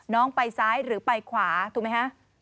น้องไปซ้ายหรือไปขวาถูกไหมฮะ